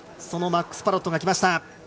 そのマックス・パロットが来た。